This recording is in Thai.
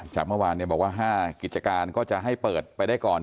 จากเมื่อวานบอกว่า๕กิจการก็จะให้เปิดไปได้ก่อน